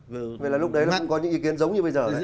vậy là lúc đấy là không có những ý kiến giống như bây giờ đấy